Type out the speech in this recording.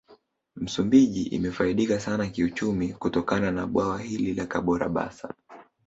Msumbiji imefaidika sana kiuchumi kutokana na Bwawa hili la Kabora basa